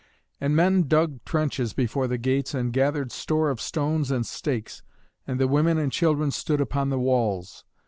And men dug trenches before the gates, and gathered store of stones and stakes; and the women and children stood upon the walls.